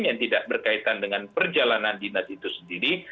yang tidak berkaitan dengan perjalanan dinas itu sendiri